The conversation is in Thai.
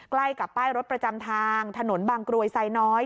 ใกล้กับป้ายรถประจำทางถนนบางกรวยไซน้อย